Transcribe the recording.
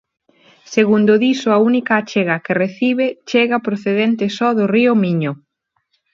Segundo dixo, a única achega que recibe chega procedente só do río Miño.